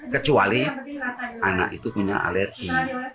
kecuali anak itu punya alergi